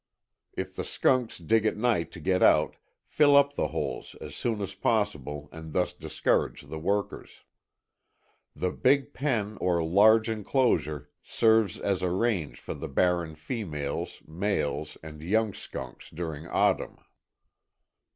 If the skunks dig at night to get out fill up the holes as soon as possible and thus discourage the workers. The big pen or large enclosure, serves as a range for the barren females, males, and young skunks during autumn.